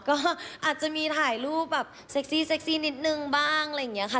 ก็อาจจะมีถ่ายรูปแบบเซ็กซี่เซ็กซี่นิดนึงบ้างอะไรอย่างนี้ค่ะ